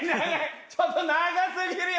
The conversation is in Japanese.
ちょっと長過ぎるよ！